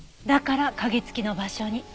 だから鍵付きの場所に？